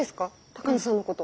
鷹野さんのこと。